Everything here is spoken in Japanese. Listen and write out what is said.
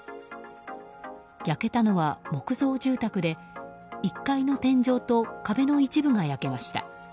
焼けたのは木造住宅で１階の天井と壁の一部が焼けました。